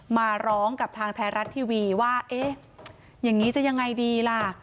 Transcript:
มาร้องกับทางไทยรัฐทีวีว่าเอ๊ะอย่างนี้จะยังไงดีล่ะ